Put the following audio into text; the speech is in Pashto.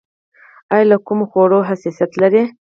ایا له کومو خوړو حساسیت لرئ؟